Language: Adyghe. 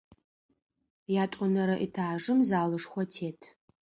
Ятӏонэрэ этажым залышхо тет.